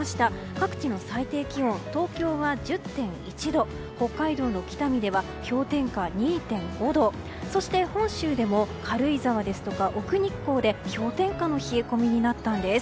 各地の最低気温東京は１０．１度北海道の北見では氷点下２．５度そして本州でも軽井沢や奥日光で氷点下の冷え込みになったんです。